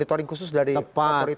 atau monitoring khusus dari akuritas